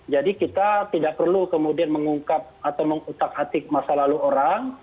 jadi kita tidak perlu kemudian mengungkap atau mengutak atik masa lalu orang